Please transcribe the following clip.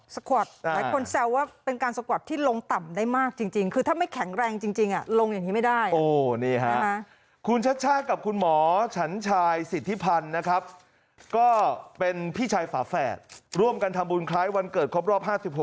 สกวัดหลายคนแซวว่าเป็นการสกวัดที่ลงต่ำได้มากจริงจริงคือถ้าไม่แข็งแรงจริงจริงอ่ะ